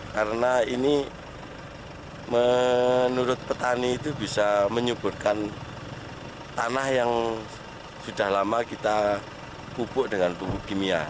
karena ini menurut petani itu bisa menyuburkan tanah yang sudah lama kita pupuk dengan pupuk kimia